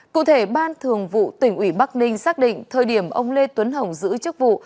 cụ thể ban thường vụ tỉnh ủy bắc ninh xác định thời điểm ông lê tuấn hồng giữ chức vụ